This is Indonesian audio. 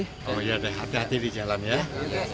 oh iya ada hati hati di jalan ya